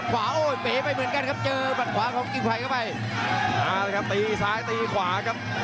ทรงมีจุดพลิกเยมแหละครับ